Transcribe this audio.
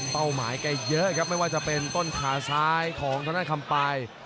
เป้าหมายแกเยอะครับไม่ว่าจะเป็นต้นขาซ้ายของธนคำปลาย